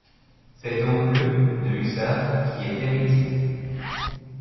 C’est donc le de hussards qui est héritier.